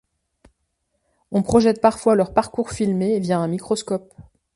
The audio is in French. On projette parfois leur parcours filmé via un microscope.